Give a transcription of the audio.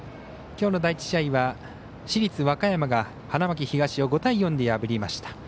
きょうの第１試合は市立和歌山が花巻東を５対４で破りました。